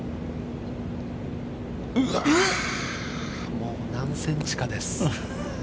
もう何センチかです。